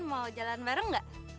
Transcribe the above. mau jalan bareng gak